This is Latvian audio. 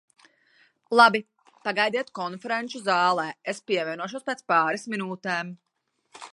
Labi, pagaidiet konferenču zālē, es pievienošos pēc pāris minūtēm.